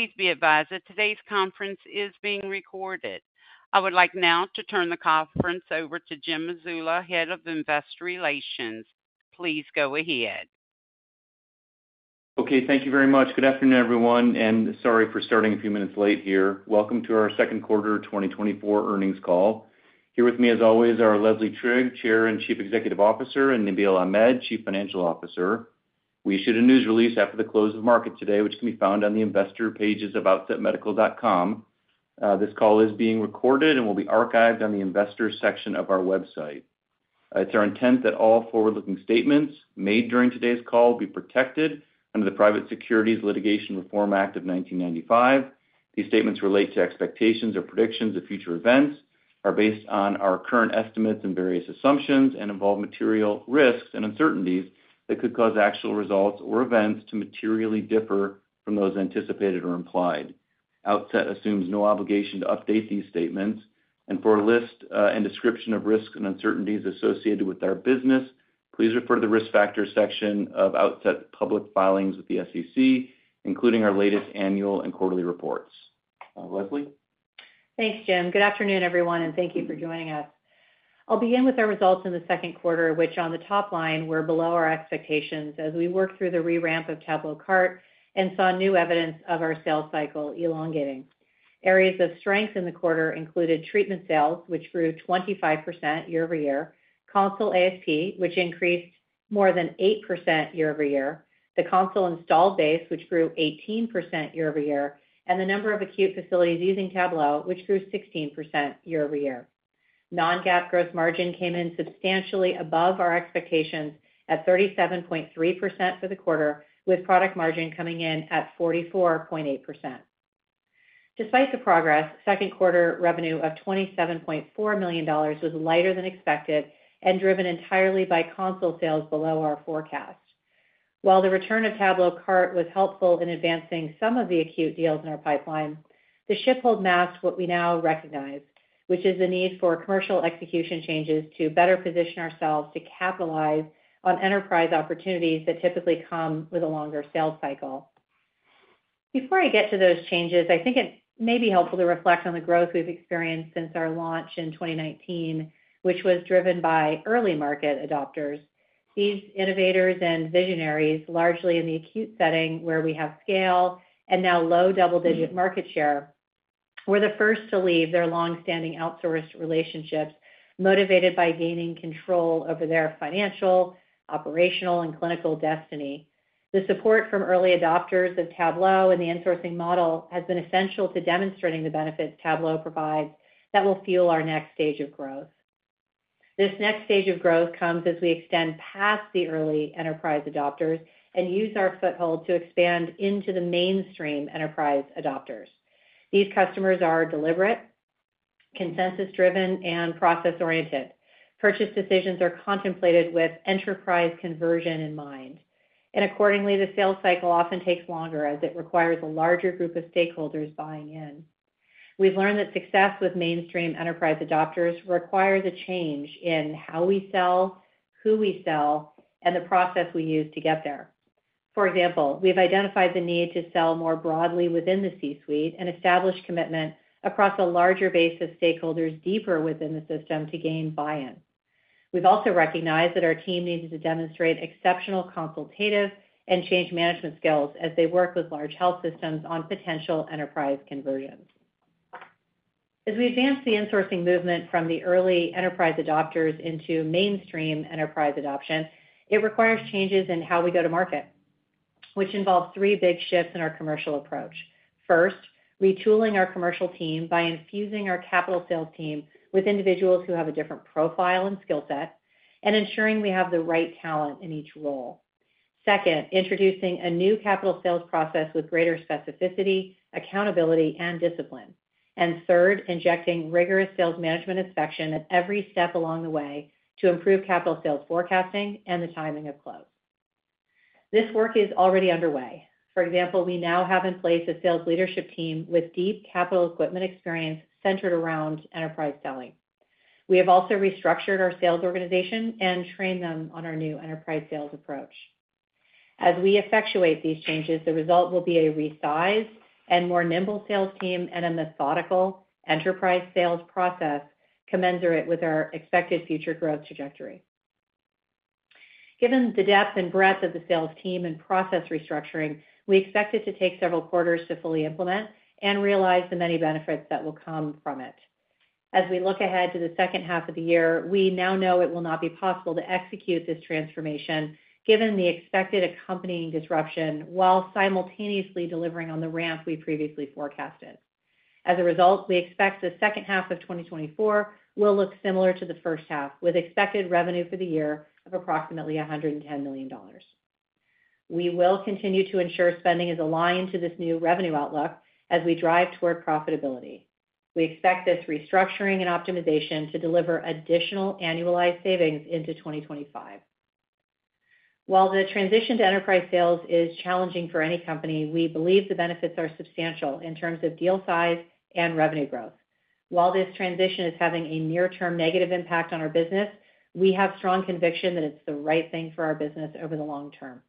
Please be advised that today's conference is being recorded. I would like now to turn the conference over to Jim Mazzola, Head of Investor Relations. Please go ahead. Okay, thank you very much. Good afternoon, everyone, and sorry for starting a few minutes late here. Welcome to our second quarter 2024 earnings call. Here with me, as always, are Leslie Trigg, Chair and Chief Executive Officer, and Nabeel Ahmed, Chief Financial Officer. We issued a news release after the close of market today, which can be found on the investor pages of outsetmedical.com. This call is being recorded and will be archived on the investors section of our website. It's our intent that all forward-looking statements made during today's call be protected under the Private Securities Litigation Reform Act of 1995. These statements relate to expectations or predictions of future events, are based on our current estimates and various assumptions, and involve material risks and uncertainties that could cause actual results or events to materially differ from those anticipated or implied. Outset assumes no obligation to update these statements. For a list and description of risks and uncertainties associated with our business, please refer to the Risk Factors section of Outset's public filings with the SEC, including our latest annual and quarterly reports. Leslie? Thanks, Jim. Good afternoon, everyone, and thank you for joining us. I'll begin with our results in the second quarter, which on the top line, were below our expectations as we worked through the re-ramp of TabloCart and saw new evidence of our sales cycle elongating. Areas of strength in the quarter included treatment sales, which grew 25% year-over-year, Console ASP, which increased more than 8% year-over-year, the Console installed base, which grew 18% year-over-year, and the number of acute facilities using Tablo, which grew 16% year-over-year. Non-GAAP gross margin came in substantially above our expectations at 37.3% for the quarter, with product margin coming in at 44.8%. Despite the progress, second quarter revenue of $27.4 million was lighter than expected and driven entirely by console sales below our forecast. While the return of TabloCart was helpful in advancing some of the acute deals in our pipeline, the ship hold masked what we now recognize, which is the need for commercial execution changes to better position ourselves to capitalize on enterprise opportunities that typically come with a longer sales cycle. Before I get to those changes, I think it may be helpful to reflect on the growth we've experienced since our launch in 2019, which was driven by early market adopters. These innovators and visionaries, largely in the acute setting where we have scale and now low double-digit market share, were the first to leave their long-standing outsourced relationships, motivated by gaining control over their financial, operational, and clinical destiny. The support from early adopters of Tablo and the insourcing model has been essential to demonstrating the benefits Tablo provides that will fuel our next stage of growth. This next stage of growth comes as we extend past the early enterprise adopters and use our foothold to expand into the mainstream enterprise adopters. These customers are deliberate, consensus-driven, and process-oriented. Purchase decisions are contemplated with enterprise conversion in mind, and accordingly, the sales cycle often takes longer as it requires a larger group of stakeholders buying in. We've learned that success with mainstream enterprise adopters requires a change in how we sell, who we sell, and the process we use to get there. For example, we've identified the need to sell more broadly within the C-suite and establish commitment across a larger base of stakeholders deeper within the system to gain buy-in. We've also recognized that our team needs to demonstrate exceptional consultative and change management skills as they work with large health systems on potential enterprise conversions. As we advance the insourcing movement from the early enterprise adopters into mainstream enterprise adoption, it requires changes in how we go to market, which involves three big shifts in our commercial approach. First, retooling our commercial team by infusing our capital sales team with individuals who have a different profile and skill set, and ensuring we have the right talent in each role. Second, introducing a new capital sales process with greater specificity, accountability, and discipline. And third, injecting rigorous sales management inspection at every step along the way to improve capital sales forecasting and the timing of close. This work is already underway. For example, we now have in place a sales leadership team with deep capital equipment experience centered around enterprise selling. We have also restructured our sales organization and trained them on our new enterprise sales approach. As we effectuate these changes, the result will be a resized and more nimble sales team and a methodical enterprise sales process commensurate with our expected future growth trajectory. Given the depth and breadth of the sales team and process restructuring, we expect it to take several quarters to fully implement and realize the many benefits that will come from it. As we look ahead to the second half of the year, we now know it will not be possible to execute this transformation, given the expected accompanying disruption, while simultaneously delivering on the ramp we previously forecasted. As a result, we expect the second half of 2024 will look similar to the first half, with expected revenue for the year of approximately $110 million. We will continue to ensure spending is aligned to this new revenue outlook as we drive toward profitability. We expect this restructuring and optimization to deliver additional annualized savings into 2025. While the transition to enterprise sales is challenging for any company, we believe the benefits are substantial in terms of deal size and revenue growth. While this transition is having a near-term negative impact on our business, we have strong conviction that it's the right thing for our business over the long term.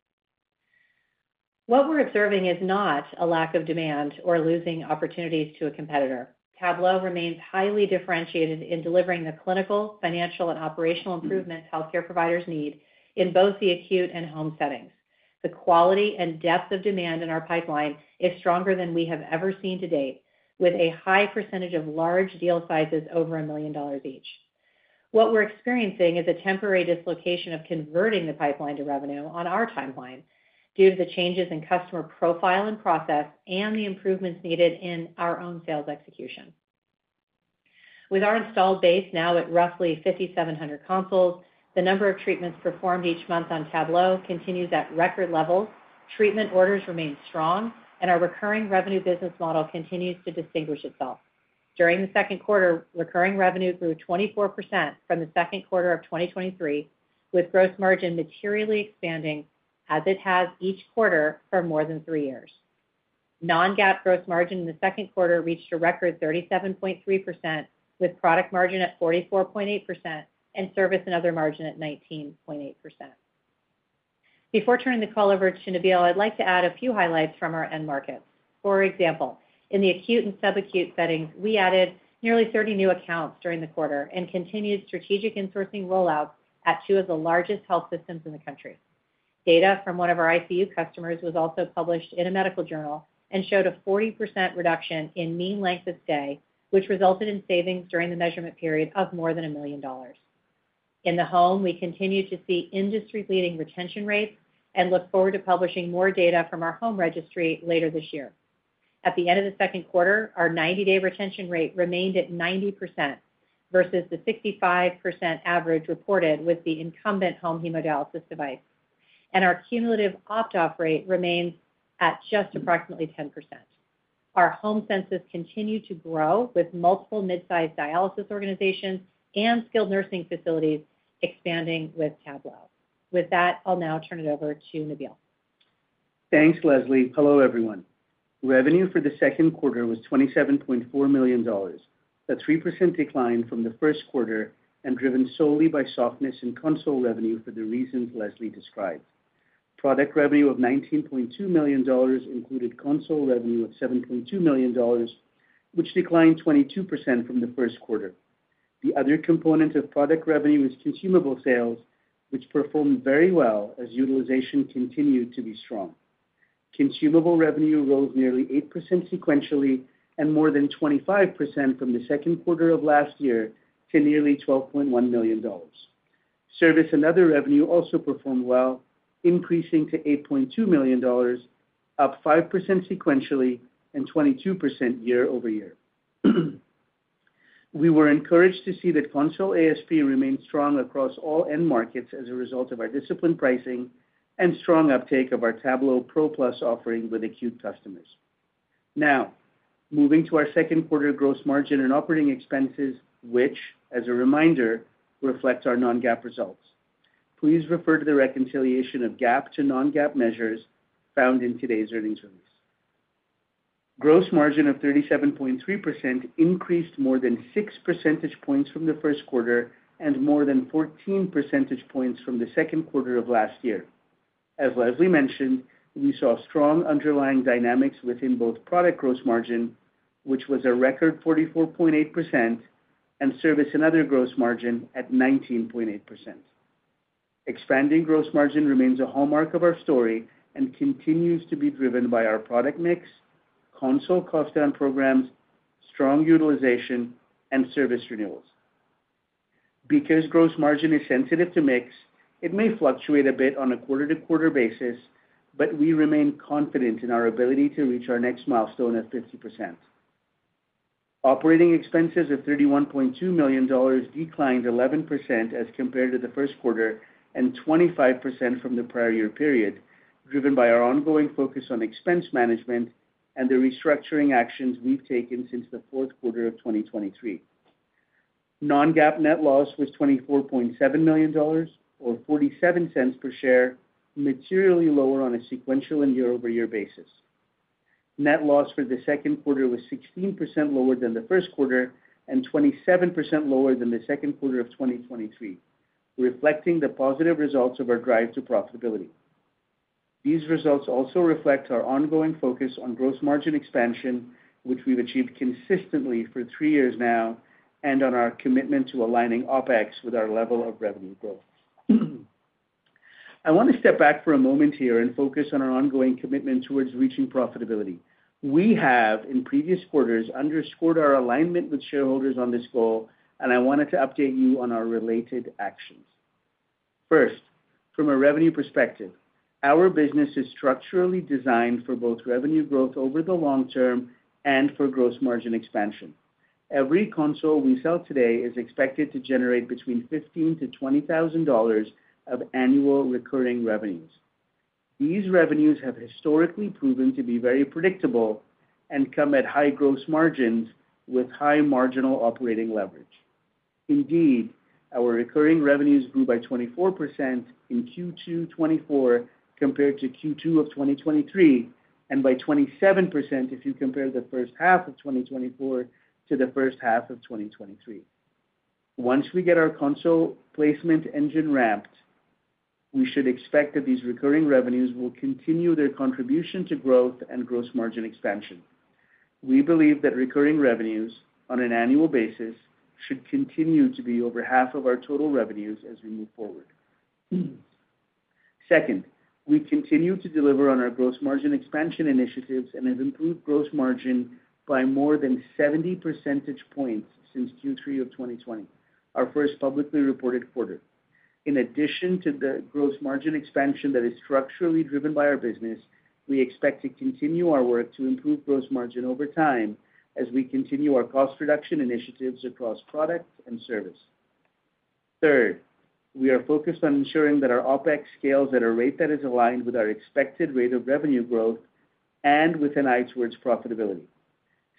What we're observing is not a lack of demand or losing opportunities to a competitor. Tablo remains highly differentiated in delivering the clinical, financial, and operational improvements healthcare providers need in both the acute and home settings. The quality and depth of demand in our pipeline is stronger than we have ever seen to date, with a high percentage of large deal sizes over $1 million each. What we're experiencing is a temporary dislocation of converting the pipeline to revenue on our timeline due to the changes in customer profile and process and the improvements needed in our own sales execution. With our installed base now at roughly 5,700 consoles, the number of treatments performed each month on Tablo continues at record levels. Treatment orders remain strong, and our recurring revenue business model continues to distinguish itself. During the second quarter, recurring revenue grew 24% from the second quarter of 2023, with gross margin materially expanding as it has each quarter for more than three years. Non-GAAP gross margin in the second quarter reached a record 37.3%, with product margin at 44.8% and service and other margin at 19.8%. Before turning the call over to Nabeel, I'd like to add a few highlights from our end markets. For example, in the acute and sub-acute settings, we added nearly 30 new accounts during the quarter and continued strategic insourcing rollouts at 2 of the largest health systems in the country. Data from one of our ICU customers was also published in a medical journal and showed a 40% reduction in mean length of stay, which resulted in savings during the measurement period of more than $1 million. In the home, we continue to see industry-leading retention rates and look forward to publishing more data from our home registry later this year. At the end of the second quarter, our 90-day retention rate remained at 90% versus the 65% average reported with the incumbent home hemodialysis device, and our cumulative opt-out rate remains at just approximately 10%. Our home census continue to grow, with multiple mid-sized dialysis organizations and skilled nursing facilities expanding with Tablo. With that, I'll now turn it over to Nabeel. Thanks, Leslie. Hello, everyone. Revenue for the second quarter was $27.4 million, a 3% decline from the first quarter and driven solely by softness in console revenue for the reasons Leslie described. Product revenue of $19.2 million included console revenue of $7.2 million, which declined 22% from the first quarter. The other component of product revenue is consumable sales, which performed very well as utilization continued to be strong. Consumable revenue rose nearly 8% sequentially and more than 25% from the second quarter of last year to nearly $12.1 million. Service and other revenue also performed well, increasing to $8.2 million, up 5% sequentially and 22% year-over-year. We were encouraged to see that console ASP remained strong across all end markets as a result of our disciplined pricing and strong uptake of our Tablo Pro Plus offering with acute customers. Now, moving to our second quarter gross margin and operating expenses, which, as a reminder, reflects our non-GAAP results. Please refer to the reconciliation of GAAP to non-GAAP measures found in today's earnings release. Gross margin of 37.3% increased more than six percentage points from the first quarter and more than 14 percentage points from the second quarter of last year. As Leslie mentioned, we saw strong underlying dynamics within both product gross margin, which was a record 44.8%, and service and other gross margin at 19.8%. Expanding gross margin remains a hallmark of our story and continues to be driven by our product mix, console cost down programs, strong utilization, and service renewals. Because gross margin is sensitive to mix, it may fluctuate a bit on a quarter-to-quarter basis, but we remain confident in our ability to reach our next milestone at 50%. Operating expenses of $31.2 million declined 11% as compared to the first quarter and 25% from the prior year period, driven by our ongoing focus on expense management and the restructuring actions we've taken since the fourth quarter of 2023. Non-GAAP net loss was $24.7 million, or $0.47 per share, materially lower on a sequential and year-over-year basis. Net loss for the second quarter was 16% lower than the first quarter and 27% lower than the second quarter of 2023, reflecting the positive results of our drive to profitability. These results also reflect our ongoing focus on gross margin expansion, which we've achieved consistently for three years now, and on our commitment to aligning OpEx with our level of revenue growth. I want to step back for a moment here and focus on our ongoing commitment towards reaching profitability. We have, in previous quarters, underscored our alignment with shareholders on this goal, and I wanted to update you on our related actions. First, from a revenue perspective, our business is structurally designed for both revenue growth over the long term and for gross margin expansion. Every console we sell today is expected to generate between $15,000-$20,000 of annual recurring revenues. These revenues have historically proven to be very predictable and come at high gross margins with high marginal operating leverage. Indeed, our recurring revenues grew by 24% in Q2 2024 compared to Q2 of 2023, and by 27% if you compare the first half of 2024 to the first half of 2023. Once we get our console placement engine ramped, we should expect that these recurring revenues will continue their contribution to growth and gross margin expansion. We believe that recurring revenues, on an annual basis, should continue to be over half of our total revenues as we move forward. Second, we continue to deliver on our gross margin expansion initiatives and have improved gross margin by more than 70 percentage points since Q3 of 2020, our first publicly reported quarter. In addition to the gross margin expansion that is structurally driven by our business, we expect to continue our work to improve gross margin over time as we continue our cost reduction initiatives across product and service. Third, we are focused on ensuring that our OpEx scales at a rate that is aligned with our expected rate of revenue growth and with an eye towards profitability.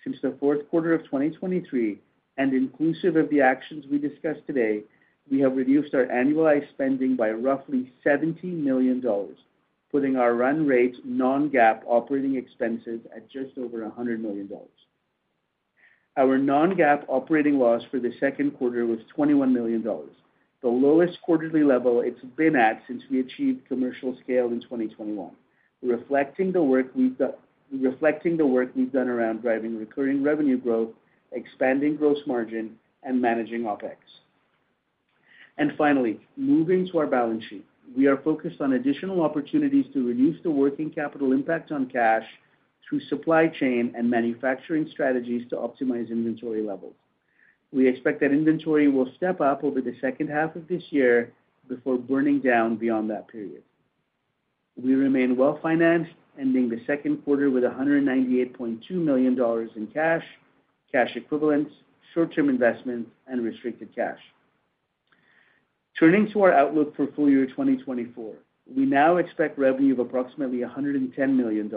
Since the fourth quarter of 2023, and inclusive of the actions we discussed today, we have reduced our annualized spending by roughly $70 million, putting our run rate non-GAAP operating expenses at just over $100 million. Our non-GAAP operating loss for the second quarter was $21 million, the lowest quarterly level it's been at since we achieved commercial scale in 2021, reflecting the work we've done around driving recurring revenue growth, expanding gross margin, and managing OpEx. Finally, moving to our balance sheet. We are focused on additional opportunities to reduce the working capital impact on cash through supply chain and manufacturing strategies to optimize inventory levels. We expect that inventory will step up over the second half of this year before burning down beyond that period. We remain well-financed, ending the second quarter with $198.2 million in cash, cash equivalents, short-term investments, and restricted cash. Turning to our outlook for full year 2024, we now expect revenue of approximately $110 million.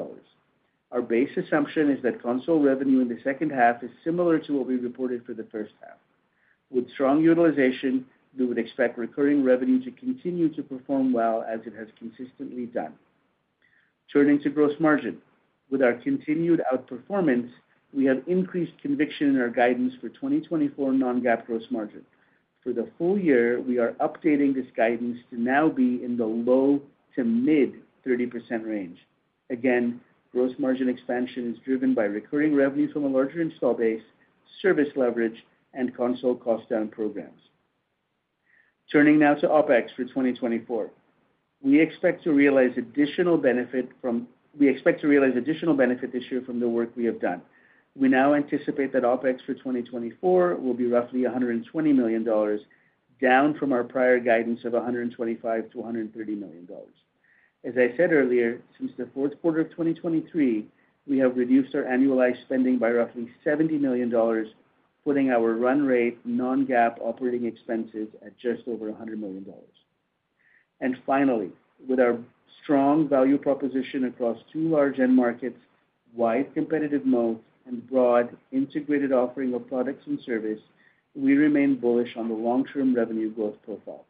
Our base assumption is that console revenue in the second half is similar to what we reported for the first half. With strong utilization, we would expect recurring revenue to continue to perform well, as it has consistently done. Turning to gross margin. With our continued outperformance, we have increased conviction in our guidance for 2024 non-GAAP gross margin. For the full year, we are updating this guidance to now be in the low- to mid-30% range. Again, gross margin expansion is driven by recurring revenues from a larger install base, service leverage, and console cost down programs. Turning now to OpEx for 2024. We expect to realize additional benefit this year from the work we have done. We now anticipate that OpEx for 2024 will be roughly $120 million, down from our prior guidance of $125 million-$130 million. As I said earlier, since the fourth quarter of 2023, we have reduced our annualized spending by roughly $70 million, putting our run rate non-GAAP operating expenses at just over $100 million. Finally, with our strong value proposition across two large end markets, wide competitive moat, and broad integrated offering of products and service, we remain bullish on the long-term revenue growth profile.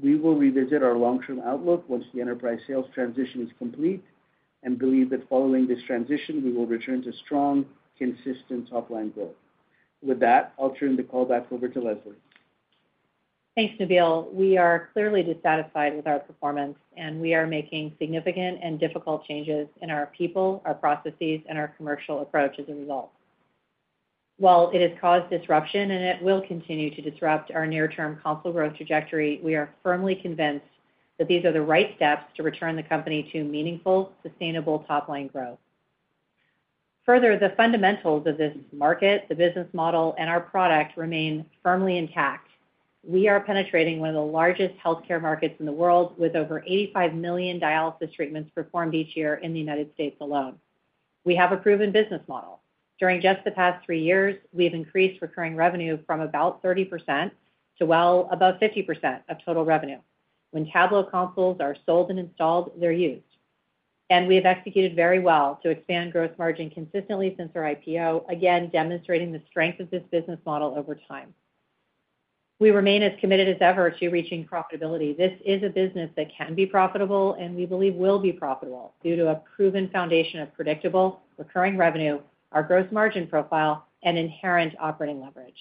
We will revisit our long-term outlook once the enterprise sales transition is complete and believe that following this transition, we will return to strong, consistent top-line growth. With that, I'll turn the call back over to Leslie. Thanks, Nabeel. We are clearly dissatisfied with our performance, and we are making significant and difficult changes in our people, our processes, and our commercial approach as a result. While it has caused disruption, and it will continue to disrupt our near-term console growth trajectory, we are firmly convinced that these are the right steps to return the company to meaningful, sustainable top-line growth. Further, the fundamentals of this market, the business model, and our product remain firmly intact. We are penetrating one of the largest healthcare markets in the world, with over 85 million dialysis treatments performed each year in the United States alone. We have a proven business model. During just the past 3 years, we have increased recurring revenue from about 30% to well above 50% of total revenue. When Tablo consoles are sold and installed, they're used, and we have executed very well to expand gross margin consistently since our IPO, again, demonstrating the strength of this business model over time. We remain as committed as ever to reaching profitability. This is a business that can be profitable and we believe will be profitable due to a proven foundation of predictable, recurring revenue, our gross margin profile, and inherent operating leverage.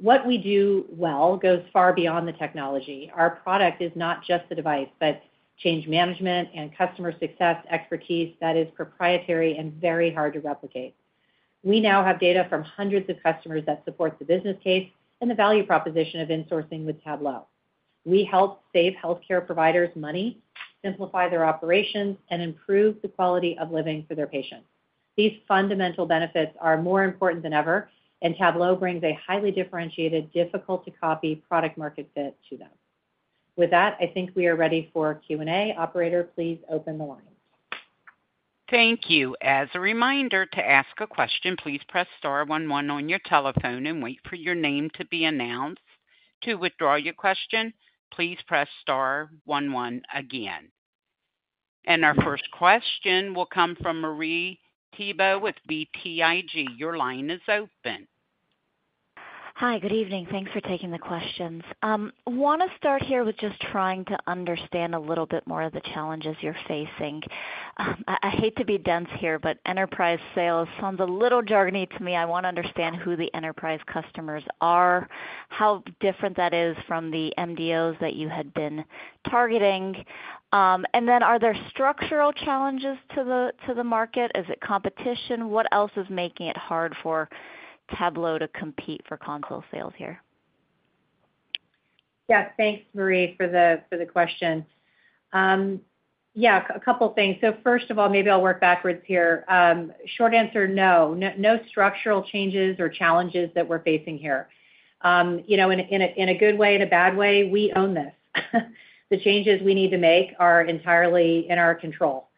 What we do well goes far beyond the technology. Our product is not just the device, but change management and customer success expertise that is proprietary and very hard to replicate. We now have data from hundreds of customers that supports the business case and the value proposition of insourcing with Tablo. We help save healthcare providers money, simplify their operations, and improve the quality of living for their patients. These fundamental benefits are more important than ever, and Tablo brings a highly differentiated, difficult-to-copy product market fit to them. With that, I think we are ready for Q&A. Operator, please open the line. Thank you. As a reminder, to ask a question, please press star one one on your telephone and wait for your name to be announced. To withdraw your question, please press star one one again. Our first question will come from Marie Thiebaud with BTIG. Your line is open. Hi, good evening. Thanks for taking the questions. Want to start here with just trying to understand a little bit more of the challenges you're facing. I hate to be dense here, but enterprise sales sounds a little jargony to me. I want to understand who the enterprise customers are, how different that is from the MDOs that you had been targeting. And then are there structural challenges to the market? Is it competition? What else is making it hard for Tablo to compete for console sales here? Yes. Thanks, Marie, for the question. Yeah, a couple things. So first of all, maybe I'll work backwards here. Short answer, no, no structural changes or challenges that we're facing here. You know, in a good way, in a bad way, we own this. The changes we need to make are entirely in our control,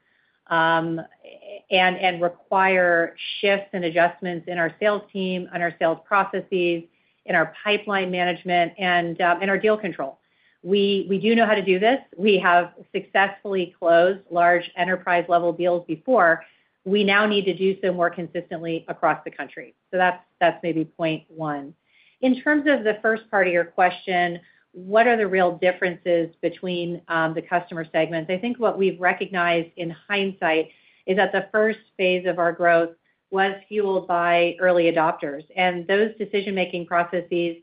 and require shifts and adjustments in our sales team, on our sales processes, in our pipeline management, and in our deal control. We do know how to do this. We have successfully closed large enterprise-level deals before. We now need to do so more consistently across the country. So that's maybe point one. In terms of the first part of your question, what are the real differences between the customer segments? I think what we've recognized in hindsight is that the first phase of our growth was fueled by early adopters, and those decision-making processes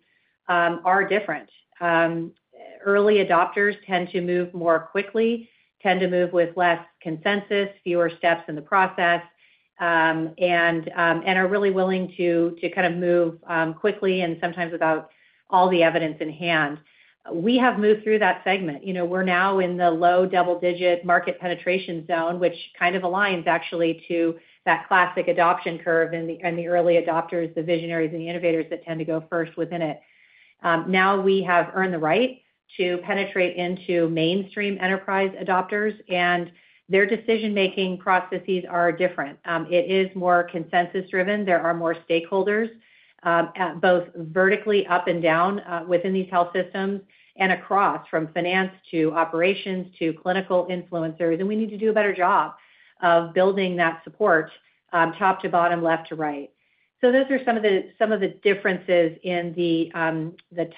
are different. Early adopters tend to move more quickly, tend to move with less consensus, fewer steps in the process, and are really willing to kind of move quickly and sometimes without all the evidence in hand. We have moved through that segment. You know, we're now in the low double-digit market penetration zone, which kind of aligns actually to that classic adoption curve and the early adopters, the visionaries and the innovators that tend to go first within it. Now we have earned the right to penetrate into mainstream enterprise adopters, and their decision-making processes are different. It is more consensus-driven. There are more stakeholders at both vertically up and down within these health systems and across, from finance to operations to clinical influencers. And we need to do a better job of building that support top to bottom, left to right. So those are some of the differences in the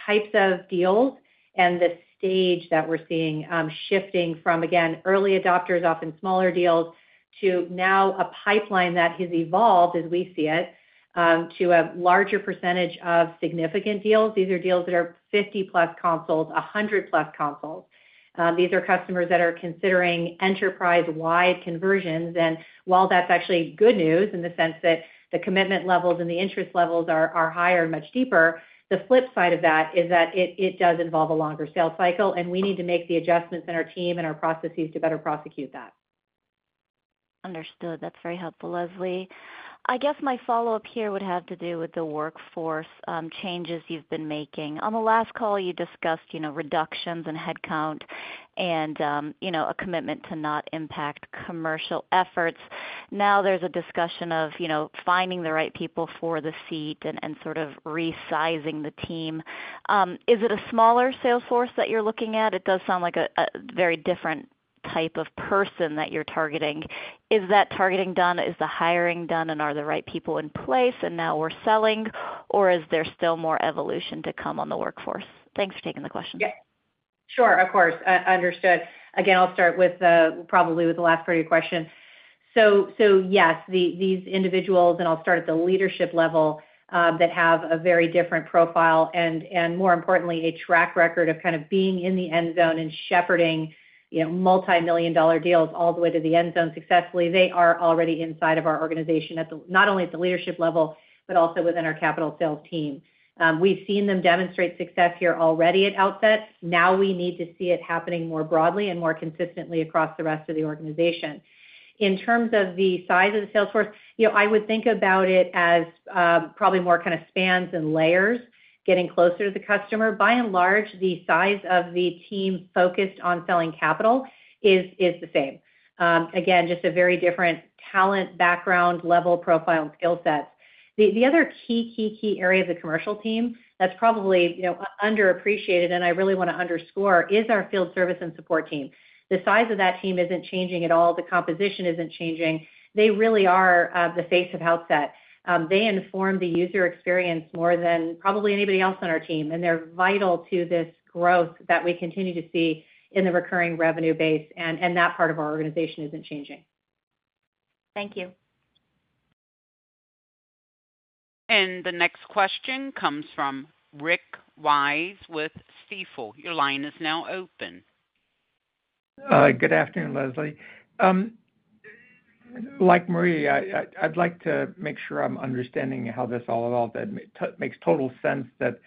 types of deals and the stage that we're seeing shifting from, again, early adopters, often smaller deals, to now a pipeline that has evolved, as we see it, to a larger percentage of significant deals. These are deals that are 50-plus consoles, 100-plus consoles. These are customers that are considering enterprise-wide conversions. While that's actually good news in the sense that the commitment levels and the interest levels are higher and much deeper, the flip side of that is that it does involve a longer sales cycle, and we need to make the adjustments in our team and our processes to better prosecute that. Understood. That's very helpful, Leslie. I guess my follow-up here would have to do with the workforce changes you've been making. On the last call, you discussed, you know, reductions in headcount and, you know, a commitment to not impact commercial efforts. Now there's a discussion of, you know, finding the right people for the seat and sort of resizing the team. Is it a smaller sales force that you're looking at? It does sound like a very different type of person that you're targeting. Is that targeting done? Is the hiring done, and are the right people in place, and now we're selling? Or is there still more evolution to come on the workforce? Thanks for taking the question. Yeah, sure! Of course. Understood. Again, I'll start with probably with the last part of your question. So yes, these individuals, and I'll start at the leadership level, that have a very different profile and, and more importantly, a track record of kind of being in the end zone and shepherding, you know, multimillion-dollar deals all the way to the end zone successfully, they are already inside of our organization at the not only at the leadership level, but also within our capital sales team. We've seen them demonstrate success here already at Outset. Now we need to see it happening more broadly and more consistently across the rest of the organization. In terms of the size of the sales force, you know, I would think about it as probably more kind of spans and layers, getting closer to the customer. By and large, the size of the team focused on selling capital is the same. Again, just a very different talent, background, level, profile, and skill sets. The other key area of the commercial team that's probably, you know, underappreciated, and I really want to underscore, is our field service and support team. The size of that team isn't changing at all. The composition isn't changing. They really are the face of Outset. They inform the user experience more than probably anybody else on our team, and they're vital to this growth that we continue to see in the recurring revenue base, and that part of our organization isn't changing. Thank you. The next question comes from Rick Wise with Stifel. Your line is now open. Good afternoon, Leslie. Like Marie, I'd like to make sure I'm understanding how this all evolved. It makes total sense that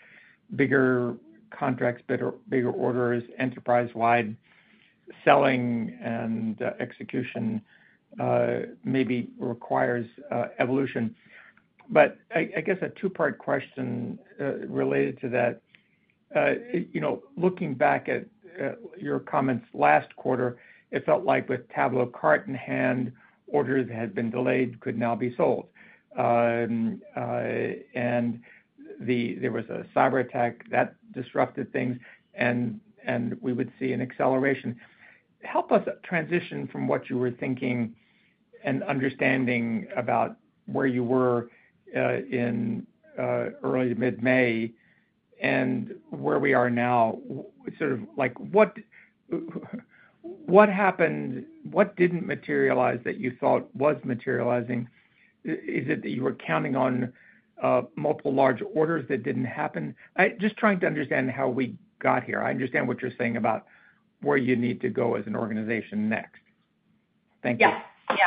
bigger contracts, bigger orders, enterprise-wide selling and execution maybe requires evolution. But I guess a two-part question related to that. You know, looking back at your comments last quarter, it felt like with TabloCart in hand, orders that had been delayed could now be sold. And there was a cyberattack that disrupted things, and we would see an acceleration. Help us transition from what you were thinking and understanding about where you were in early to mid-May and where we are now, sort of like, what happened, what didn't materialize that you thought was materializing? Is it that you were counting on multiple large orders that didn't happen? Just trying to understand how we got here. I understand what you're saying about where you need to go as an organization next. Thank you. Yes.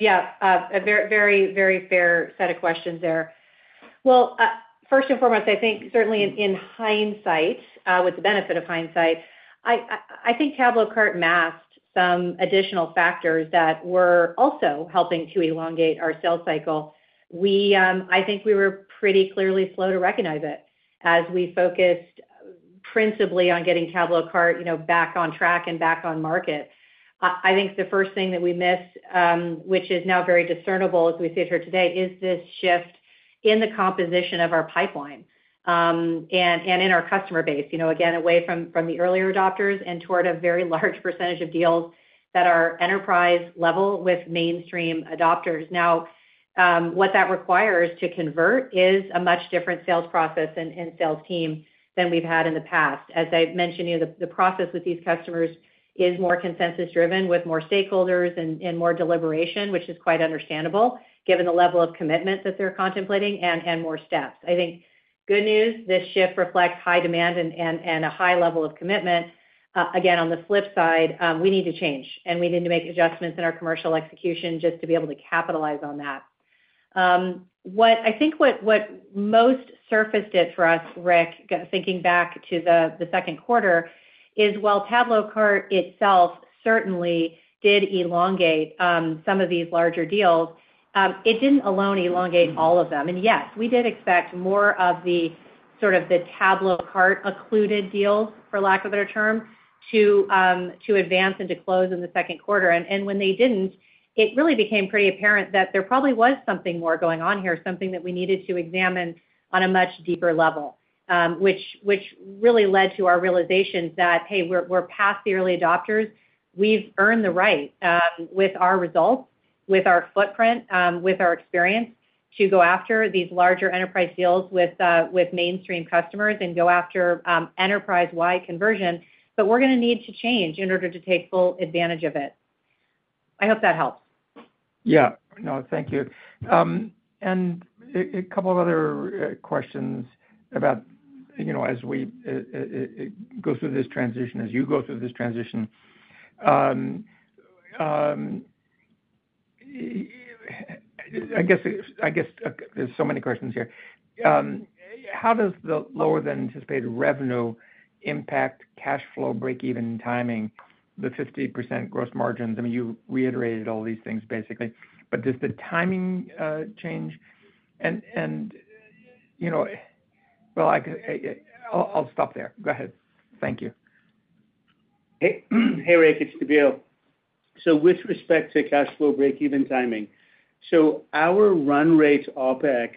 Yeah, yeah. A very, very, very fair set of questions there. Well, first and foremost, I think certainly in hindsight, with the benefit of hindsight, I think TabloCart masked some additional factors that were also helping to elongate our sales cycle. We, I think we were pretty clearly slow to recognize it as we focused principally on getting TabloCart, you know, back on track and back on market. I think the first thing that we missed, which is now very discernible as we sit here today, is this shift in the composition of our pipeline, and in our customer base, you know, again, away from the earlier adopters and toward a very large percentage of deals that are enterprise-level with mainstream adopters. Now, what that requires to convert is a much different sales process and sales team than we've had in the past. As I've mentioned, you know, the process with these customers is more consensus-driven, with more stakeholders and more deliberation, which is quite understandable given the level of commitment that they're contemplating and more steps. I think good news, this shift reflects high demand and a high level of commitment. Again, on the flip side, we need to change, and we need to make adjustments in our commercial execution just to be able to capitalize on that. What I think what most surfaced it for us, Rick, thinking back to the second quarter, is while TabloCart itself certainly did elongate some of these larger deals, it didn't alone elongate all of them. Yes, we did expect more of the, sort of, the TabloCart included deals, for lack of a better term, to advance and to close in the second quarter. And when they didn't, it really became pretty apparent that there probably was something more going on here, something that we needed to examine on a much deeper level, which really led to our realization that, hey, we're past the early adopters. We've earned the right, with our results, with our footprint, with our experience, to go after these larger enterprise deals with mainstream customers and go after enterprise-wide conversion, but we're gonna need to change in order to take full advantage of it. I hope that helps. Yeah. No, thank you. And a couple of other questions about, you know, as we go through this transition, as you go through this transition. I guess there's so many questions here. How does the lower-than-anticipated revenue impact cash flow break-even timing, the 50% gross margins? I mean, you reiterated all these things, basically, but does the timing change? And, you know... Well, I could. I'll stop there. Go ahead. Thank you. Hey, hey, Rick, it's Nabeel. So with respect to cash flow break-even timing, so our run rate OpEx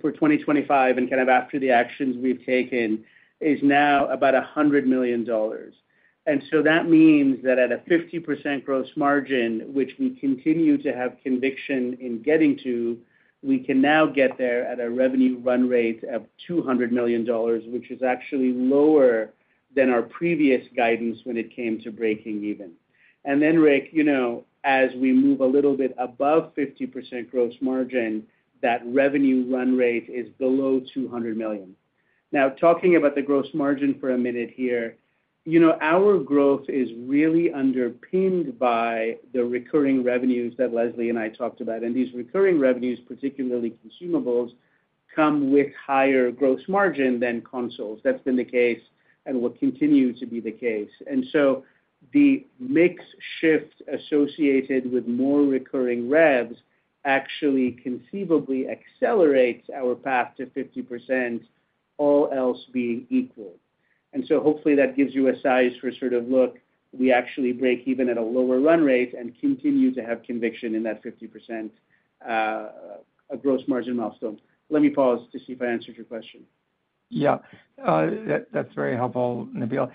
for 2025, and kind of after the actions we've taken, is now about $100 million. And so that means that at a 50% gross margin, which we continue to have conviction in getting to, we can now get there at a revenue run rate of $200 million, which is actually lower than our previous guidance when it came to breaking even. And then, Rick, you know, as we move a little bit above 50% gross margin, that revenue run rate is below $200 million. Now, talking about the gross margin for a minute here, you know, our growth is really underpinned by the recurring revenues that Leslie and I talked about. And these recurring revenues, particularly consumables, come with higher gross margin than consoles. That's been the case and will continue to be the case. And so the mix shift associated with more recurring revs actually conceivably accelerates our path to 50%, all else being equal. And so hopefully that gives you a size for sort of, look, we actually break even at a lower run rate and continue to have conviction in that 50%, gross margin milestone. Let me pause to see if I answered your question. Yeah. That, that's very helpful, Nabeel.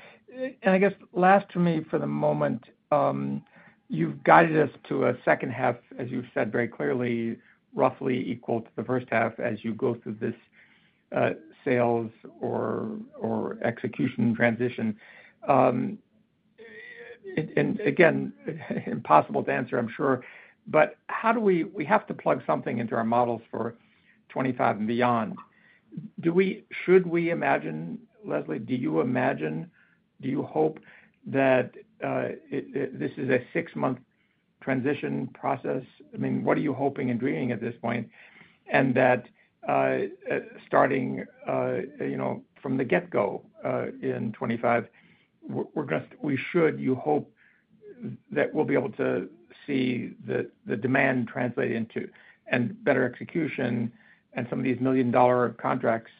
And I guess last to me for the moment, you've guided us to a second half, as you've said very clearly, roughly equal to the first half as you go through this sales or execution transition. And again, impossible to answer, I'm sure. But how do we-- we have to plug something into our models for 2025 and beyond. Do we-- should we imagine, Leslie, do you imagine, do you hope that this is a six-month transition process? I mean, what are you hoping and dreaming at this point? And that, starting, you know, from the get-go, in 2025, we're gonna—we should, you hope that we'll be able to see the, the demand translate into and better execution and some of these million-dollar contracts,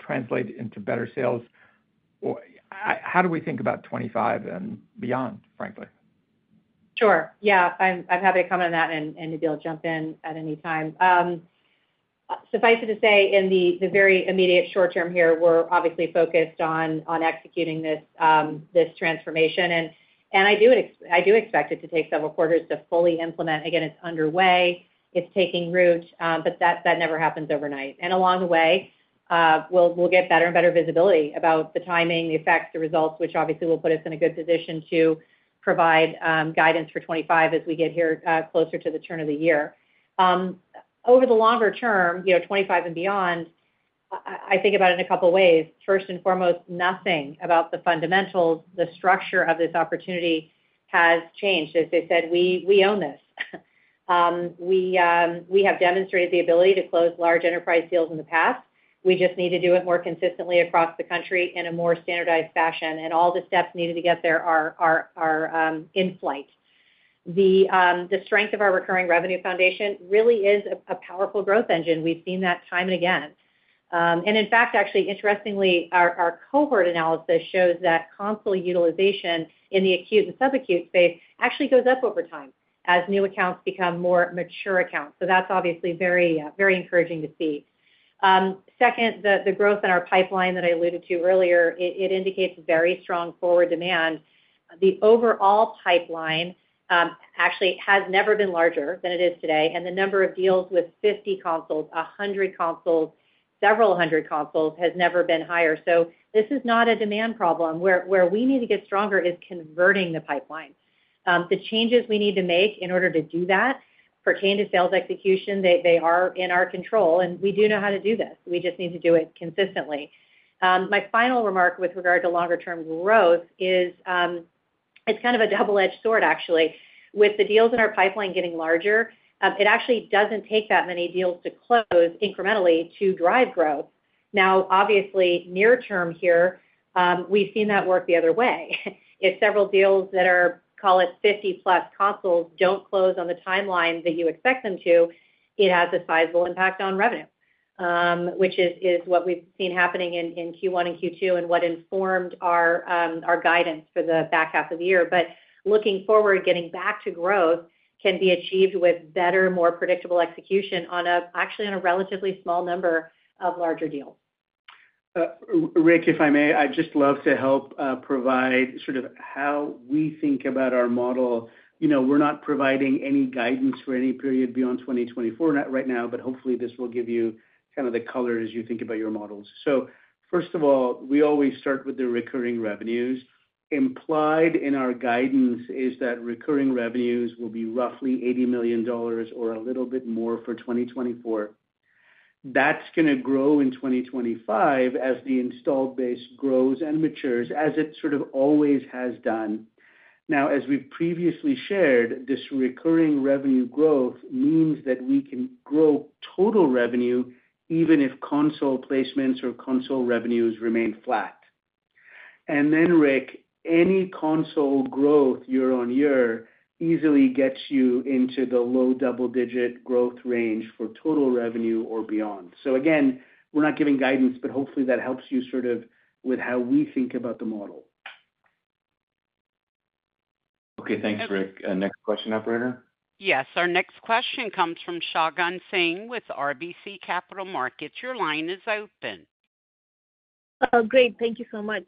translate into better sales. I, how do we think about 2025 and beyond, frankly? Sure. Yeah, I'm happy to comment on that, and Nabeel, jump in at any time. Suffice it to say, in the very immediate short term here, we're obviously focused on executing this transformation. I do expect it to take several quarters to fully implement. Again, it's underway, it's taking root, but that never happens overnight. Along the way, we'll get better and better visibility about the timing, the effects, the results, which obviously will put us in a good position to provide guidance for 2025 as we get here closer to the turn of the year. Over the longer term, you know, 2025 and beyond, I think about it in a couple of ways. First and foremost, nothing about the fundamentals, the structure of this opportunity has changed. As I said, we own this. We have demonstrated the ability to close large enterprise deals in the past. We just need to do it more consistently across the country in a more standardized fashion, and all the steps needed to get there are in flight. The strength of our recurring revenue foundation really is a powerful growth engine. We've seen that time and again. And in fact, actually, interestingly, our cohort analysis shows that console utilization in the acute and subacute space actually goes up over time as new accounts become more mature accounts. So that's obviously very encouraging to see. Second, the growth in our pipeline that I alluded to earlier, it indicates very strong forward demand. The overall pipeline, actually has never been larger than it is today, and the number of deals with 50 consoles, 100 consoles, several hundred consoles, has never been higher. So this is not a demand problem. Where we need to get stronger is converting the pipeline. The changes we need to make in order to do that pertain to sales execution, they are in our control, and we do know how to do this. We just need to do it consistently. My final remark with regard to longer-term growth is, it's kind of a double-edged sword, actually. With the deals in our pipeline getting larger, it actually doesn't take that many deals to close incrementally to drive growth. Now, obviously, near term here, we've seen that work the other way. If several deals that are, call it 50+ consoles, don't close on the timeline that you expect them to, it has a sizable impact on revenue, which is what we've seen happening in Q1 and Q2, and what informed our guidance for the back half of the year. But looking forward, getting back to growth can be achieved with better, more predictable execution on a, actually, on a relatively small number of larger deals. Rick, if I may, I'd just love to help provide sort of how we think about our model. You know, we're not providing any guidance for any period beyond 2024, not right now, but hopefully this will give you kind of the color as you think about your models. So first of all, we always start with the recurring revenues. Implied in our guidance is that recurring revenues will be roughly $80 million or a little bit more for 2024. That's gonna grow in 2025 as the installed base grows and matures, as it sort of always has done. Now, as we've previously shared, this recurring revenue growth means that we can grow total revenue, even if console placements or console revenues remain flat. And then, Rick, any console growth year-over-year easily gets you into the low double-digit growth range for total revenue or beyond. So again, we're not giving guidance, but hopefully that helps you sort of with how we think about the model. Okay, thanks, Rick. Next question, operator? Yes, our next question comes from Shagun Singh with RBC Capital Markets. Your line is open. Great. Thank you so much.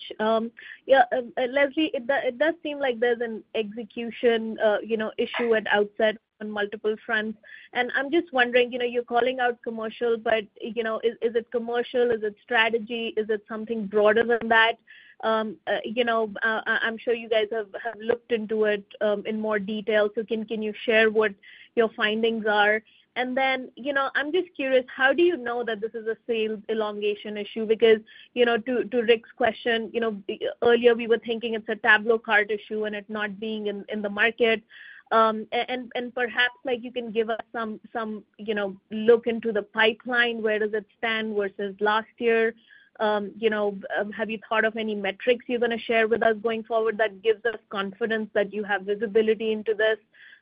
Yeah, Leslie, it does seem like there's an execution, you know, issue at Outset on multiple fronts. And I'm just wondering, you know, you're calling out commercial, but, you know, is it commercial? Is it strategy? Is it something broader than that? You know, I'm sure you guys have looked into it in more detail. So can you share what your findings are? And then, you know, I'm just curious, how do you know that this is a sales elongation issue? Because, you know, to Rick's question, you know, earlier, we were thinking it's a Tablo cart issue, and it not being in the market. Perhaps, like, you can give us some, you know, look into the pipeline, where does it stand versus last year? You know, have you thought of any metrics you're gonna share with us going forward that gives us confidence that you have visibility into this?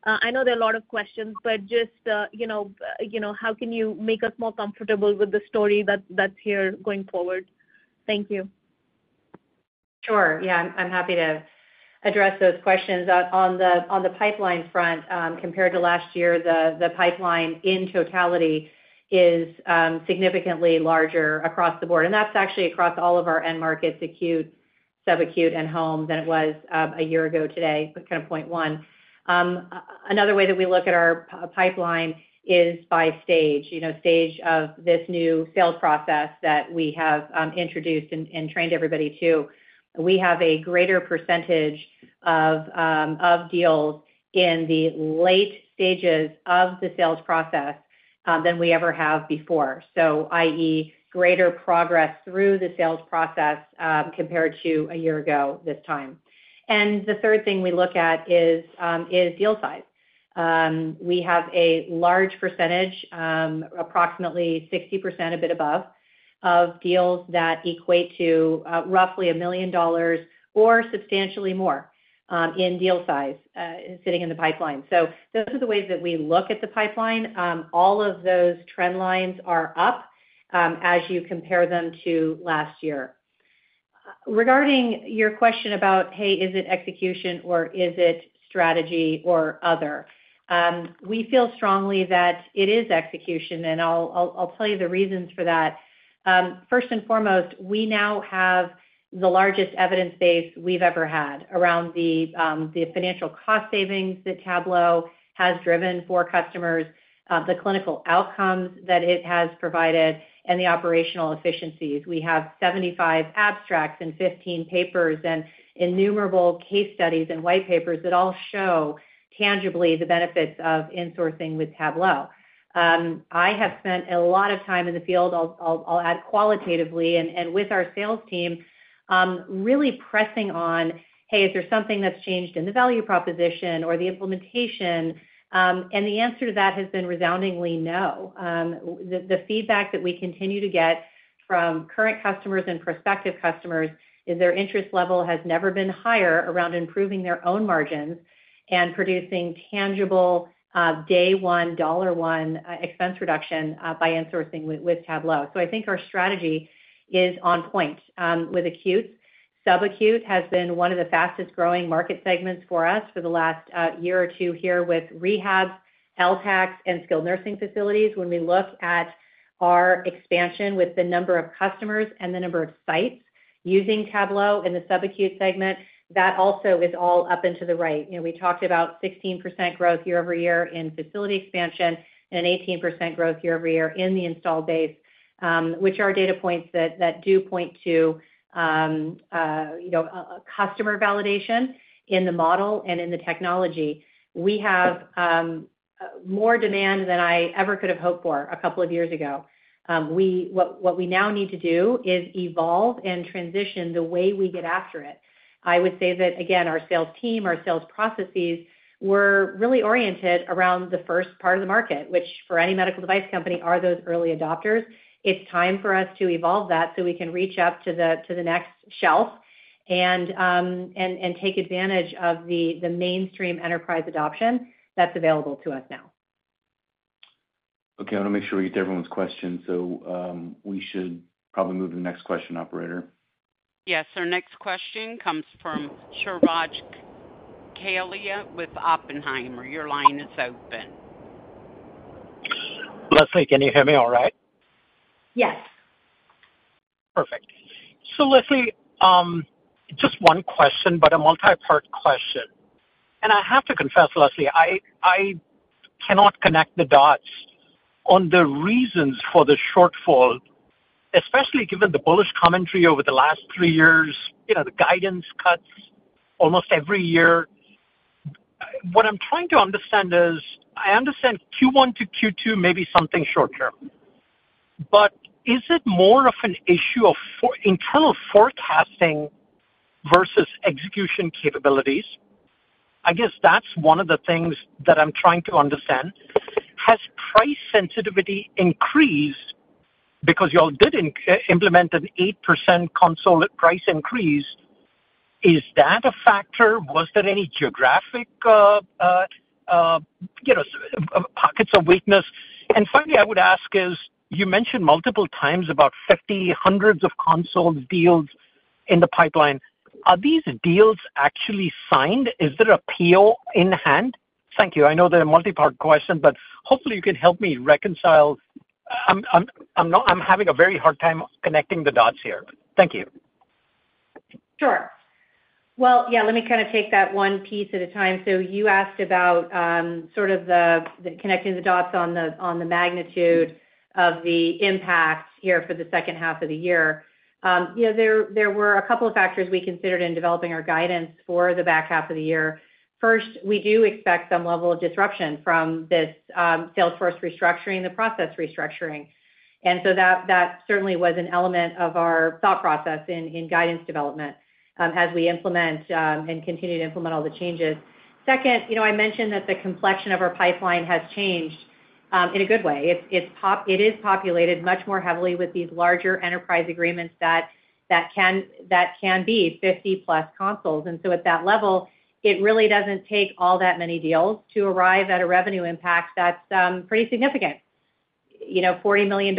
I know there are a lot of questions, but just, you know, how can you make us more comfortable with the story that's here going forward? Thank you. Sure. Yeah, I'm happy to address those questions. On the pipeline front, compared to last year, the pipeline in totality is significantly larger across the board, and that's actually across all of our end markets, acute, subacute, and home, than it was a year ago today, but kind of point one. Another way that we look at our pipeline is by stage. You know, stage of this new sales process that we have introduced and trained everybody to. We have a greater percentage of deals in the late stages of the sales process than we ever have before, so i.e., greater progress through the sales process compared to a year ago this time. And the third thing we look at is deal size. We have a large percentage, approximately 60%, a bit above, of deals that equate to roughly $1 million or substantially more, in deal size, sitting in the pipeline. So those are the ways that we look at the pipeline. All of those trend lines are up, as you compare them to last year. Regarding your question about, hey, is it execution or is it strategy or other? We feel strongly that it is execution, and I'll, I'll, I'll tell you the reasons for that. First and foremost, we now have the largest evidence base we've ever had around the, the financial cost savings that Tablo has driven for customers, the clinical outcomes that it has provided, and the operational efficiencies. We have 75 abstracts and 15 papers and innumerable case studies and white papers that all show tangibly the benefits of insourcing with Tablo. I have spent a lot of time in the field. I'll add qualitatively and with our sales team, really pressing on, hey, is there something that's changed in the value proposition or the implementation? And the answer to that has been resoundingly no. The feedback that we continue to get from current customers and prospective customers is their interest level has never been higher around improving their own margins and producing tangible day one, dollar one expense reduction by insourcing with Tablo. So I think our strategy is on point with acute. Sub-acute has been one of the fastest-growing market segments for us for the last, year or two here with rehab, LTACH, and skilled nursing facilities. When we look at our expansion with the number of customers and the number of sites using Tablo in the sub-acute segment, that also is all up and to the right. You know, we talked about 16% growth year-over-year in facility expansion and an 18% growth year-over-year in the installed base, which are data points that do point to, you know, customer validation in the model and in the technology. We have, more demand than I ever could have hoped for a couple of years ago. We now need to do is evolve and transition the way we get after it. I would say that, again, our sales team, our sales processes, were really oriented around the first part of the market, which for any medical device company are those early adopters. It's time for us to evolve that so we can reach up to the next shelf and take advantage of the mainstream enterprise adoption that's available to us now. Okay, I want to make sure we get to everyone's questions. We should probably move to the next question, operator. Yes, our next question comes from Suraj Kalia with Oppenheimer. Your line is open. Leslie, can you hear me all right? Yes. Perfect. So Leslie, just one question, but a multipart question. I have to confess, Leslie, I cannot connect the dots on the reasons for the shortfall, especially given the bullish commentary over the last three years, you know, the guidance cuts almost every year. What I'm trying to understand is, I understand Q1 to Q2 may be something short term, but is it more of an issue of internal forecasting versus execution capabilities? I guess that's one of the things that I'm trying to understand. Has price sensitivity increased because you all did implement an 8% console price increase? Is that a factor? Was there any geographic, you know, pockets of weakness? And finally, I would ask is, you mentioned multiple times about 50, hundreds of console deals in the pipeline. Are these deals actually signed? Is there a PO in hand? Thank you. I know they're a multipart question, but hopefully you can help me reconcile... I'm not. I'm having a very hard time connecting the dots here. Thank you. Sure. Well, yeah, let me kind of take that one piece at a time. So you asked about sort of connecting the dots on the magnitude of the impact here for the second half of the year. You know, there were a couple of factors we considered in developing our guidance for the back half of the year. First, we do expect some level of disruption from this sales force restructuring, the process restructuring. And so that certainly was an element of our thought process in guidance development as we implement and continue to implement all the changes. Second, you know, I mentioned that the complexion of our pipeline has changed in a good way. It is populated much more heavily with these larger enterprise agreements that can be 50+ consoles. And so at that level, it really doesn't take all that many deals to arrive at a revenue impact that's pretty significant. You know, $40 million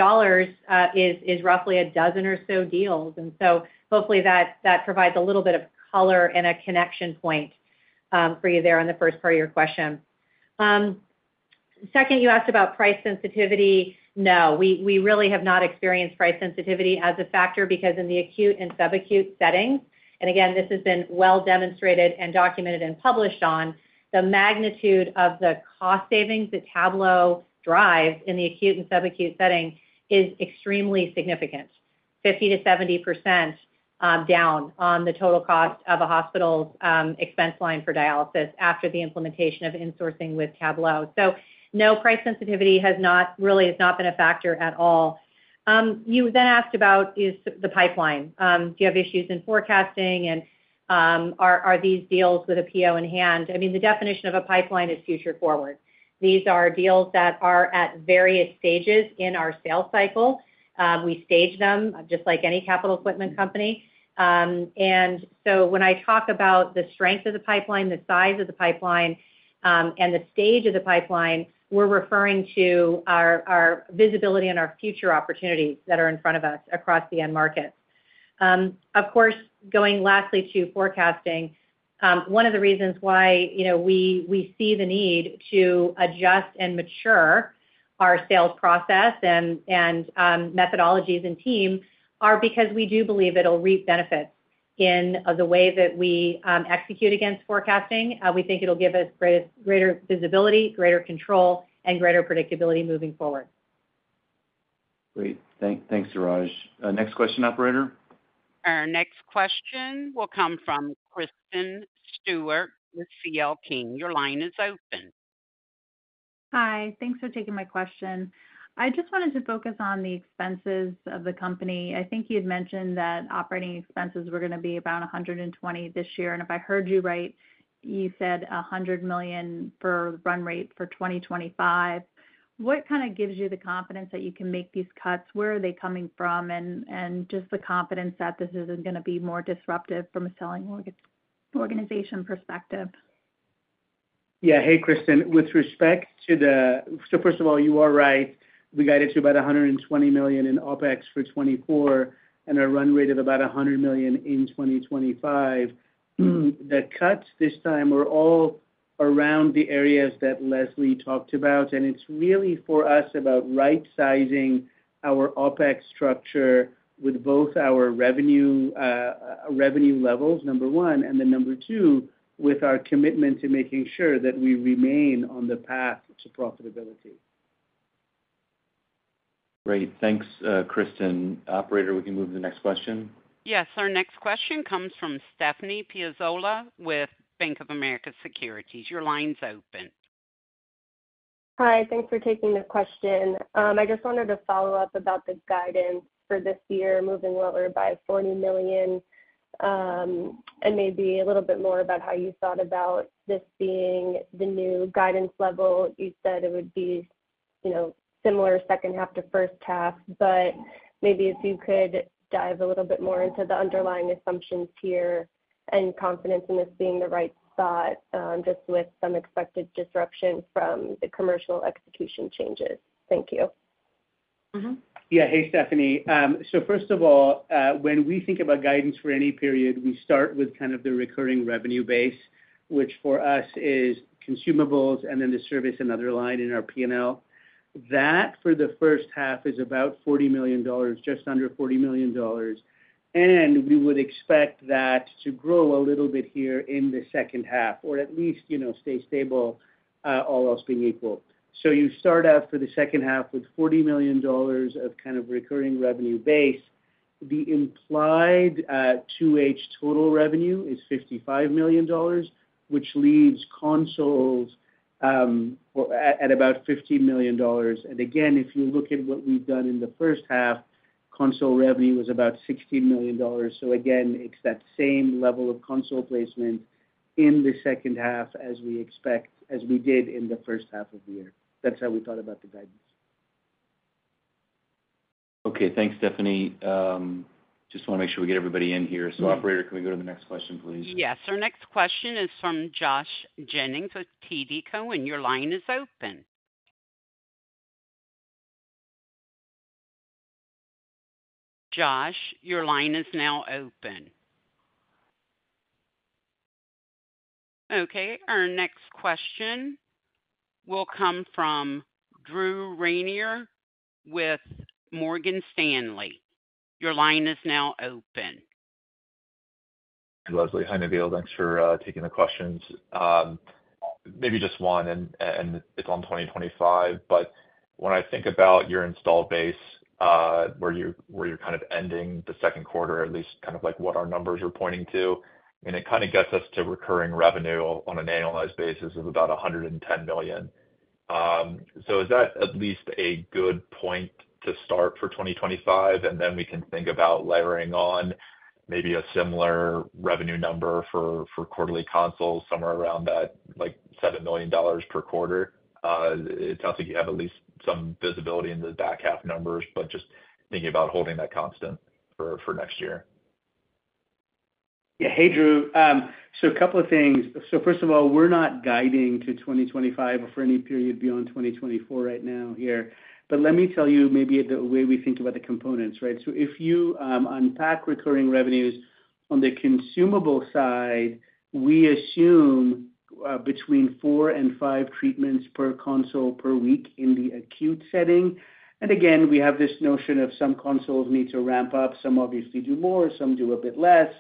is roughly a dozen or so deals. And so hopefully that provides a little bit of color and a connection point for you there on the first part of your question. Second, you asked about price sensitivity. No, we really have not experienced price sensitivity as a factor because in the acute and sub-acute settings, and again, this has been well demonstrated and documented and published on, the magnitude of the cost savings that Tablo drives in the acute and sub-acute setting is extremely significant. 50%-70% down on the total cost of a hospital's expense line for dialysis after the implementation of insourcing with Tablo. So no, price sensitivity has not, really has not been a factor at all. You then asked about the pipeline. Do you have issues in forecasting? And, are these deals with a PO in hand? I mean, the definition of a pipeline is future forward. These are deals that are at various stages in our sales cycle. We stage them just like any capital equipment company. And so when I talk about the strength of the pipeline, the size of the pipeline, and the stage of the pipeline, we're referring to our visibility and our future opportunities that are in front of us across the end market. Of course, going lastly to forecasting, one of the reasons why, you know, we see the need to adjust and mature our sales process and methodologies and team, are because we do believe it'll reap benefits in the way that we execute against forecasting. We think it'll give us greater visibility, greater control, and greater predictability moving forward. Great. Thank- thanks, Suraj. Next question, operator. Our next question will come from Kristen Stewart with CL King. Your line is open. Hi, thanks for taking my question. I just wanted to focus on the expenses of the company. I think you had mentioned that operating expenses were gonna be about $120 million this year, and if I heard you right, you said $100 million for run rate for 2025. What kind of gives you the confidence that you can make these cuts? Where are they coming from? And just the confidence that this isn't gonna be more disruptive from a selling organization perspective. Yeah. Hey, Kristen. With respect to the— So first of all, you are right. We guided to about $120 million in OpEx for 2024, and a run rate of about $100 million in 2025. The cuts this time are all around the areas that Leslie talked about, and it's really for us, about right-sizing our OpEx structure with both our revenue, revenue levels, number one, and then number two, with our commitment to making sure that we remain on the path to profitability. Great. Thanks, Kristen. Operator, we can move to the next question. Yes, our next question comes from Stephanie Piazzola with Bank of America Securities. Your line's open. Hi, thanks for taking the question. I just wanted to follow up about the guidance for this year, moving lower by $40 million, and maybe a little bit more about how you thought about this being the new guidance level. You said it would be, you know, similar second half to first half, but maybe if you could dive a little bit more into the underlying assumptions here and confidence in this being the right spot, just with some expected disruption from the commercial execution changes. Thank you. Mm-hmm. Yeah. Hey, Stephanie. So first of all, when we think about guidance for any period, we start with kind of the recurring revenue base, which for us is consumables and then the service and other line in our P&L. That, for the first half, is about $40 million, just under $40 million, and we would expect that to grow a little bit here in the second half, or at least, you know, stay stable, all else being equal. So you start out for the second half with $40 million of kind of recurring revenue base. The implied 2H total revenue is $55 million, which leaves consoles at about $15 million. And again, if you look at what we've done in the first half, console revenue was about $16 million. So again, it's that same level of console placement in the second half as we expect, as we did in the first half of the year. That's how we thought about the guidance. Okay. Thanks, Stephanie. Just wanna make sure we get everybody in here. So operator, can we go to the next question, please? Yes. Our next question is from Josh Jennings with TD Cowen. Your line is open. Josh, your line is now open. Okay, our next question will come from Drew Ranieri with Morgan Stanley. Your line is now open. Hi, Nabeel. Thanks for taking the questions. Maybe just one, and it's on 2025, but when I think about your installed base, where you're kind of ending the second quarter, at least kind of like what our numbers are pointing to, and it kind of gets us to recurring revenue on an annualized basis of about $110 million. So is that at least a good point to start for 2025? And then we can think about layering on maybe a similar revenue number for quarterly consoles, somewhere around that, like $7 million per quarter. It sounds like you have at least some visibility in the back half numbers, but just thinking about holding that constant for next year. Yeah. Hey, Drew. So a couple of things. So first of all, we're not guiding to 2025 or for any period beyond 2024 right now here, but let me tell you maybe the way we think about the components, right? So if you unpack recurring revenues on the consumable side, we assume between four and five treatments per console per week in the acute setting. And again, we have this notion of some consoles need to ramp up. Some obviously do more, some do a bit less,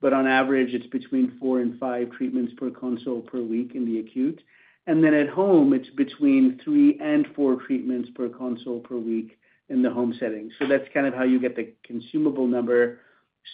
but on average, it's between four and five treatments per console per week in the acute. And then at home, it's between three and four treatments per console per week in the home setting. So that's kind of how you get the consumable number.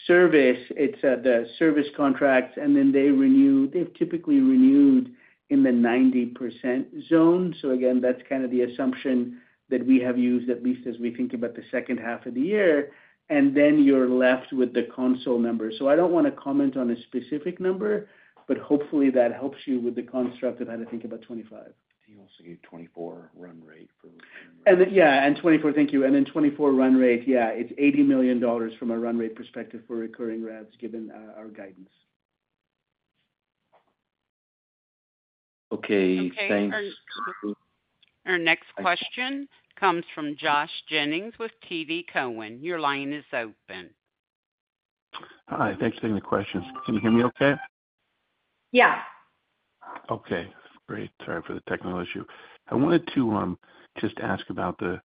Service, it's the service contracts, and then they renew. They've typically renewed in the 90% zone. So again, that's kind of the assumption that we have used, at least as we think about the second half of the year, and then you're left with the console number. So I don't wanna comment on a specific number, but hopefully that helps you with the construct of how to think about 2025. You also gave 2024 run rate for- And then... Yeah, and 2024. Thank you. And then 2024 run rate, yeah, it's $80 million from a run rate perspective for recurring revs, given our guidance. Okay, thanks. Okay, our next question comes from Josh Jennings with TD Cowen. Your line is open. Hi, thanks for taking the questions. Can you hear me okay? Yeah. Okay, great. Sorry for the technical issue. I wanted to just ask about the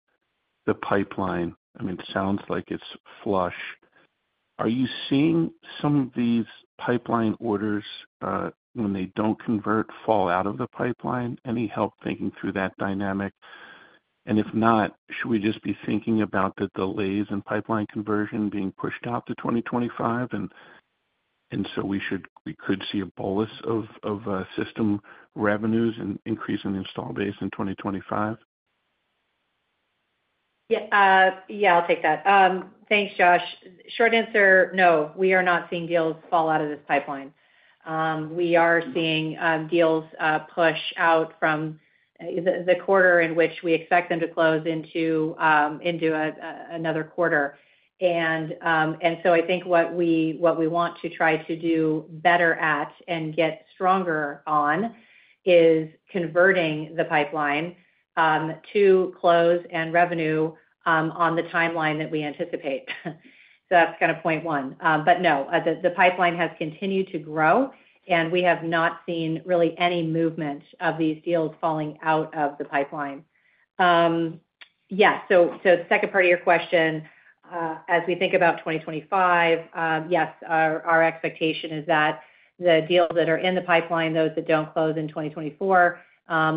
pipeline. I mean, it sounds like it's flush. Are you seeing some of these pipeline orders, when they don't convert, fall out of the pipeline? Any help thinking through that dynamic? And if not, should we just be thinking about the delays in pipeline conversion being pushed out to 2025, and so we should, we could see a bolus of system revenues and increase in install base in 2025? Yeah, yeah, I'll take that. Thanks, Josh. Short answer, no, we are not seeing deals fall out of this pipeline. We are seeing deals push out from the quarter in which we expect them to close into another quarter. And so I think what we want to try to do better at and get stronger on is converting the pipeline to close and revenue on the timeline that we anticipate. So that's kind of point one. But no, the pipeline has continued to grow, and we have not seen really any movement of these deals falling out of the pipeline. Yeah, second part of your question, as we think about 2025, yes, our expectation is that the deals that are in the pipeline, those that don't close in 2024,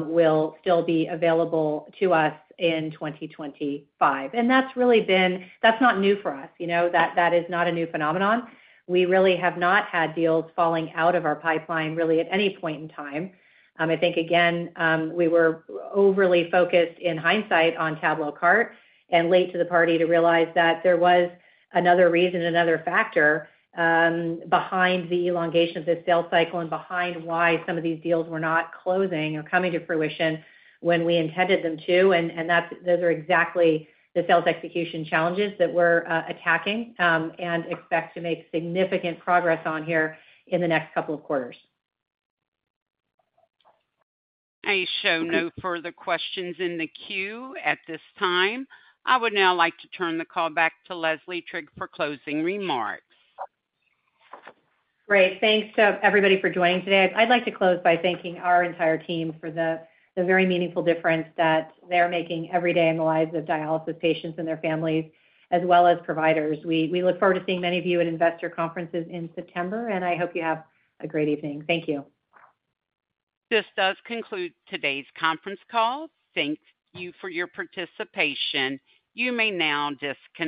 will still be available to us in 2025. And that's really been... That's not new for us, you know, that is not a new phenomenon. We really have not had deals falling out of our pipeline, really, at any point in time. I think, again, we were overly focused in hindsight on TabloCart and late to the party to realize that there was another reason, another factor, behind the elongation of the sales cycle and behind why some of these deals were not closing or coming to fruition when we intended them to. And that's, those are exactly the sales execution challenges that we're attacking, and expect to make significant progress on here in the next couple of quarters. I show no further questions in the queue at this time. I would now like to turn the call back to Leslie Trigg for closing remarks. Great. Thanks to everybody for joining today. I'd like to close by thanking our entire team for the very meaningful difference that they're making every day in the lives of dialysis patients and their families, as well as providers. We look forward to seeing many of you at investor conferences in September, and I hope you have a great evening. Thank you. This does conclude today's conference call. Thank you for your participation. You may now disconnect.